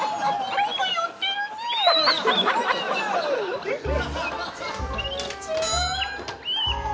何か言ってるね。